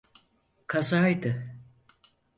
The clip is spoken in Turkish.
Kazaydı.